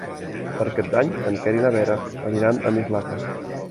Per Cap d'Any en Quer i na Vera aniran a Mislata.